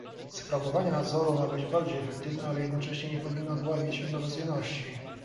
Sprawowanie nadzoru ma być bardziej efektywne, ale jednocześnie nie powinna dławić innowacyjności